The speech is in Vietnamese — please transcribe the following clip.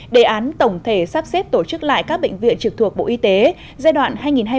đề án tổng thể sắp xếp tổ chức lại các bệnh viện trực thuộc bộ y tế giai đoạn hai nghìn hai mươi ba hai nghìn ba mươi